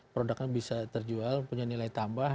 produknya bisa terjual punya nilai tambah